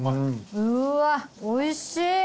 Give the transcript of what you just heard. うーわおいしい！